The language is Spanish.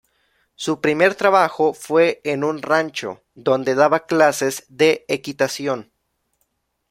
Su primer trabajo fue en un rancho, donde daba clases de equitación.